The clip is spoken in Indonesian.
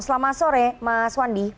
selamat sore mas wandi